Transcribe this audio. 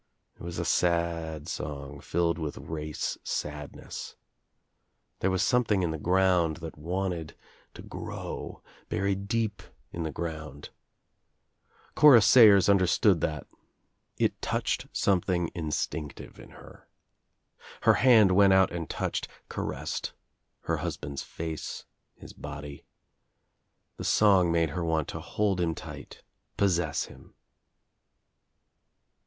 It was a sad song, filled with race sadness. There was something in the ground that wanted to : ajO THE TRIUMPH OF THE EGG grow, buried deep in the ground. Cora Sayers under^ stood that. It touched something instinctive in her. Her hand went out and touched, caressed her hus> band's face, his body. The song made her want to hold him tight, possess him.